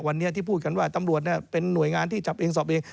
วันนี้ที่พูดกันว่าตำรวจเป็นหน่วยงานที่จับเองสอบเอง